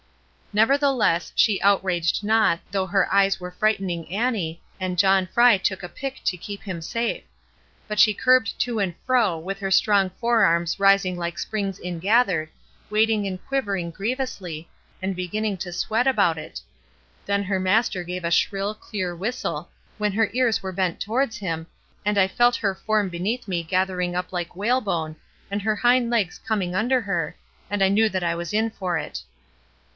Nevertheless, she outraged not, though her eyes were frightening Annie, and John Fry took a pick to keep him safe; but she curbed to and fro with her strong forearms rising like springs ingathered, waiting and quivering grievously, and beginning to sweat about it. Then her master gave a shrill, clear whistle, when her ears were bent towards him, and I felt her form beneath me gathering up like whalebone, and her hind legs coming under her, and I knew that I was in for it.